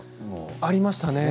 ありましたね。